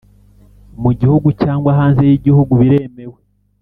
Mu gihugu cyangwa hanze yigihugu biremewe